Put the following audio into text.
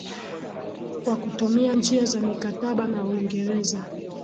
Kwa kutumia njia za mikataba na Uingereza